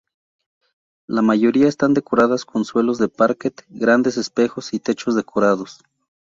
La mayoría están decoradas con suelos de parquet, grandes espejos y techos decorados.